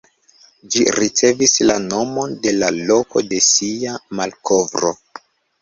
Ĝi ricevis la nomon de la loko de sia malkovro.